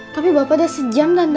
tapi emak eras itu udah lama banget